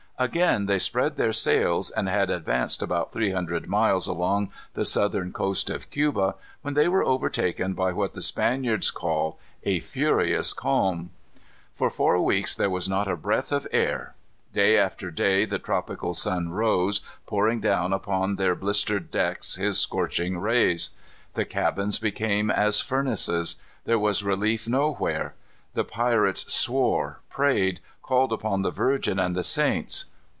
Again they spread their sails, and had advanced about three hundred miles along the southern coast of Cuba, when they were overtaken by what the Spaniards call a "furious calm." For four weeks there was not a breath of air. Day after day the tropical sun rose, pouring down upon their blistered decks his scorching rays. The cabins became as furnaces. There was relief nowhere. The pirates swore, prayed, called upon the Virgin and the saints.